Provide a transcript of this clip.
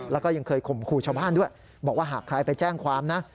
แล้วก็ยังเคยข่มขู่ชาวบ้านด้วยบอกว่าหากใครไปแจ้งความนะ